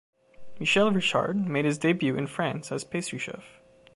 Michel Richard made his debut in France as pastry chef.